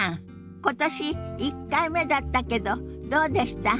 今年１回目だったけどどうでした？